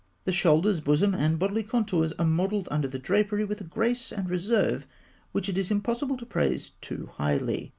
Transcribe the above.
The shoulders, bosom, and bodily contours are modelled under the drapery with a grace and reserve which it is impossible to praise too highly.